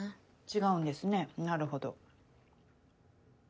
違うんですねなるほど。